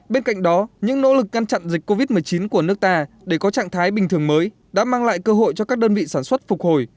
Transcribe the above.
bên cạnh đó những nỗ lực ngăn chặn dịch covid một mươi chín của nước ta để có trạng thái bình thường mới đã mang lại cơ hội cho các đơn vị sản xuất phục hồi